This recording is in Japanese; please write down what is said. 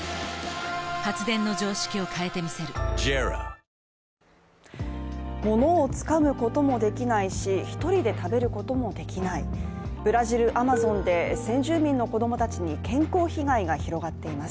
少なくとも福島の関係者の意見を聞くとかものをつかむこともできないし１人で食べることもできないブラジル・アマゾンで先住民の子供たちに健康被害が広がっています。